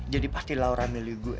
jadi pasti laura milih gua